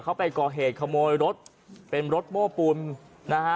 เขาไปก่อเหตุขโมยรถเป็นรถโม้ปูนนะฮะ